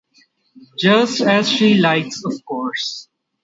Just as she likes, of course.